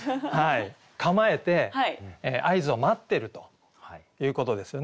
構えて合図を待ってるということですよね。